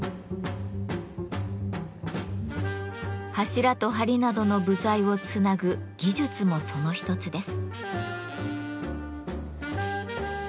柱と梁などの部材をつなぐ技術もその一つです。